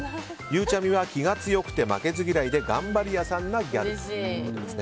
ゆうちゃみは気が強くて負けず嫌いで頑張り屋さんなギャルということです。